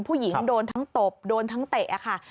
ผู้หญิงโดนทั้งตบโดนทั้งเตะค่ะ